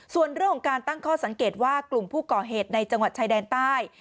ส่วนเรื่องของการตั้งข้อสังเกตว่ากลุ่มผู้ก่อเหตุในจังหวัดชายแดนใต้